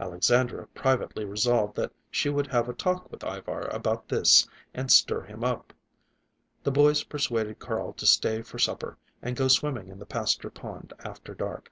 Alexandra privately resolved that she would have a talk with Ivar about this and stir him up. The boys persuaded Carl to stay for supper and go swimming in the pasture pond after dark.